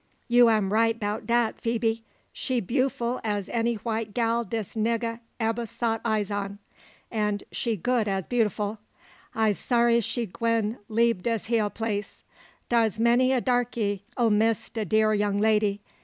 "You am right 'bout dat, Phoebe. She bewful as any white gal dis nigga ebber sot eyes on. And she good as bewful. I'se sorry she gwine leab dis hya place. Dar's many a darkie 'll miss de dear young lady.